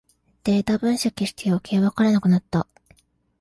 データ分析してよけいわからなくなった